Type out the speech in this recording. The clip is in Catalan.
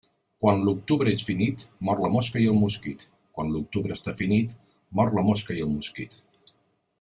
Quan l'octubre és finit, mor la mosca i el mosquit Quan l'octubre està finit, mor la mosca i el mosquit.